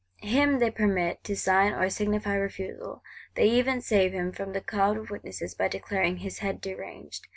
Him they permit to sign or signify refusal; they even save him from the cloud of witnesses, by declaring "his head deranged."